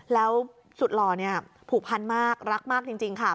แล้วสุดหล่อเนี่ยผูกพันมากรักมากจริงค่ะ